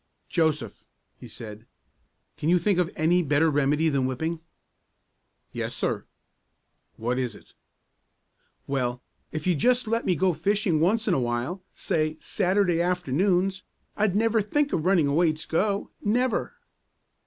"Joseph," he said, "can you think of any better remedy than whipping?" "Yes, sir." "What is it?" "Well, if you'd just let me go fishing once in a while, say Saturday afternoons, I'd never think of running away to go, never."